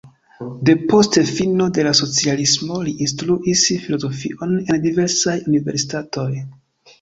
Depost fino de la socialismo li instruis filozofion en diversaj universitatoj.